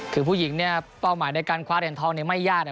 ถือผู้หญิงเนี่ยเป้าหมายในการคว้าแด่งทองเนี่ยไม่ยากนะครับ